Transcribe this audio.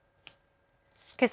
けさ